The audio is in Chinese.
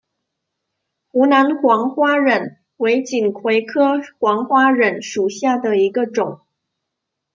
湖南黄花稔为锦葵科黄花稔属下的一个种。